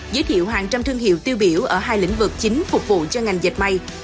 giới thiệu hàng trăm thương hiệu tiêu biểu ở hai lĩnh vực chính phục vụ cho ngành dịch may